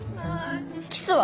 キスは？